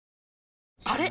あれ？